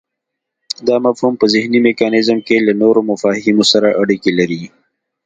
دا مفهوم په ذهني میکانیزم کې له نورو مفاهیمو سره اړیکی لري